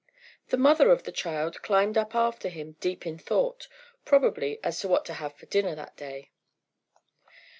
The mother of the child climbed up after him deep in thought, probably as to what to have for dinner that day.